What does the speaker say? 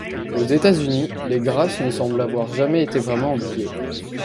Aux États-Unis, les grâces ne semblent avoir jamais été vraiment oubliées.